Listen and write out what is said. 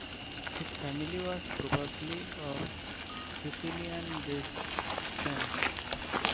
His family was probably of Sicilian descent.